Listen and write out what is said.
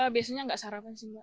biasanya nggak sarapan sih